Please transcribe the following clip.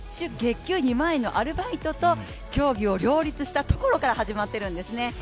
月給２万円のアルバイトと競技を両立したところから始まっているんですね。